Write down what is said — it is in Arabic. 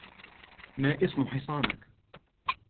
ما اسم حصانك؟